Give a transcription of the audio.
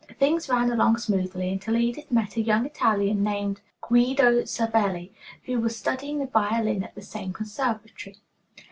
Things ran along smoothly until Edith met a young Italian named Guido Savelli, who was studying the violin at the same conservatory.